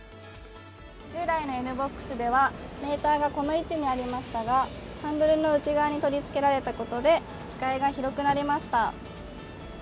従来のＮ−ＢＯＸではメーターがこの位置にありましたがハンドルの内側に取り付けられたことで視界が広くなりました。